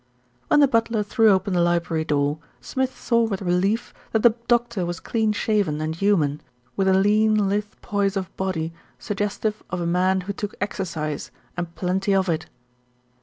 When the butler threw open the library door, Smith saw with relief that the doctor was clean shaven and human, with the lean, lithe poise of body suggestive of a man who took exercise and plenty of it.